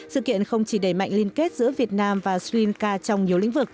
sự kiện không chỉ đẩy mạnh liên kết giữa việt nam và sri lanka trong nhiều lĩnh vực